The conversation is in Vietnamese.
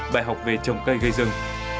bài học về trồng cây gây rừng